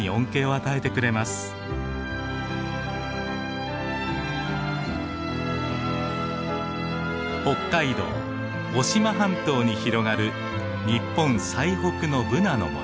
渡島半島に広がる日本最北のブナの森。